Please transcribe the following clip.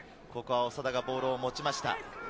長田がボールを持ちました。